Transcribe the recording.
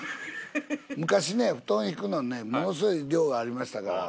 昔ね布団敷くのんねものすごい量がありましたから。